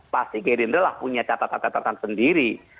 pasti gerindra lah punya catatan catatan sendiri